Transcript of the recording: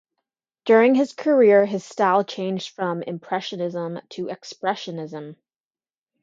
During his career his style changed from Impressionism to Expressionism.